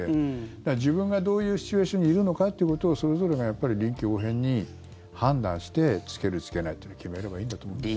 だから自分がどういうシチュエーションにいるのかっていうことをそれぞれがやっぱり臨機応変に判断して着ける着けないっていうのを決めればいいんだと思いますね。